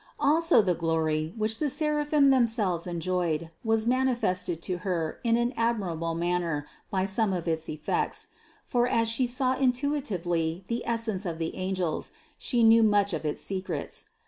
Also the glory, which the seraphim themselves enjoyed, was manifested to Her in an admirable manner by some of its effects; for as She saw intuitively the essence of the angels, She knew much of its secrets.